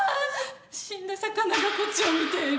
死んだ魚がこっちを見ている。